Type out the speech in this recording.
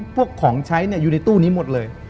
พวกของใช้อยู่ในตู้นี้หมดเลย